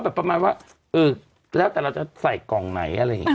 หมายความว่าเราก็แล้วแต่เราจะใส่กล่องไหนอะไรแบบนี้